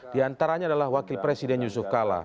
di antaranya adalah wakil presiden yusuf kala